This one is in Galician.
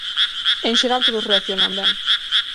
En xeral todos reaccionan ben.